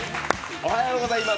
おはようございます！